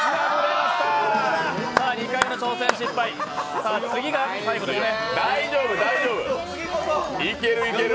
２回目の挑戦、失敗次が最後ですね。